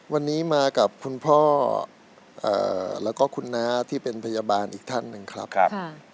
วันนี้มากับคุณพ่อแล้วก็คุณน้าที่เป็นพยาบาลอีกท่านหนึ่งครับ